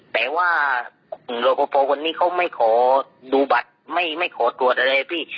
แต่ว่ารอปภคนนี้เขาไม่ขอดูบัตรไม่ขอตรวจอะไรพี่